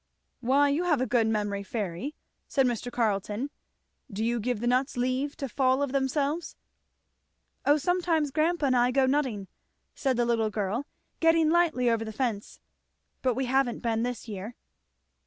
"Why you have a good memory, Fairy," said Mr. Carleton. "Do you give the nuts leave to fall of themselves?" "Oh sometimes grandpa and I go a nutting," said the little girl getting lightly over the fence, "but we haven't been this year."